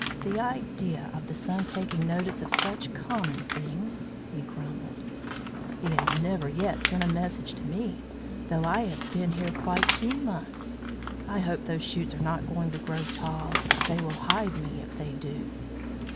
"The idea of the Sun taking notice of such common things!" he grumbled. "He has never yet sent a message to me, though I have been here quite two months. I hope those shoots are not going to grow tall. They will hide me if they do."